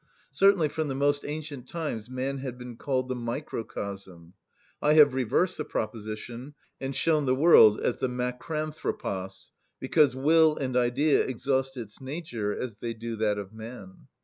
Certainly from the most ancient times man had been called the microcosm. I have reversed the proposition, and shown the world as the macranthropos: because will and idea exhaust its nature as they do that of man.